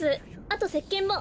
あとせっけんも。